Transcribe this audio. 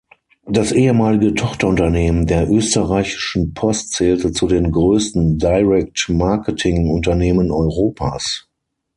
Das ehemalige Tochterunternehmen der österreichischen Post zählte zu den größten Direct-Marketing-Unternehmen Europas.